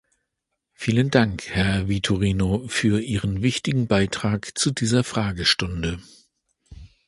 Vielen Dank, Herr Vitorino, für Ihren wichtigen Beitrag zu dieser Fragestunde.